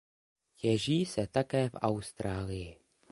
Těží se také v Austrálii.